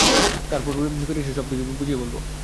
আর তারপর ফিরে এসে সবকিছু বুঝিয়ে বলবো।